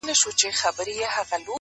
ته چیري تللی یې اشنا او زندګي چیري ده~